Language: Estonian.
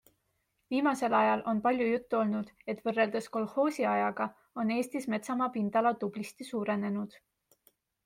Viimasel ajal on palju juttu olnud, et võrreldes kolhoosiajaga on Eestis metsamaa pindala tublisti suurenenud.